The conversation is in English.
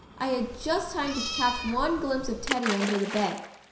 I just had time to catch one glimpse of Teddy, under the bed.